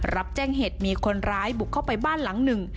รับแจ้งเหตุมีคนร้ายบุกเข้าไปบ้านหลังหนึ่ง